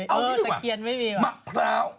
เอานี่สิวะมะพร้าว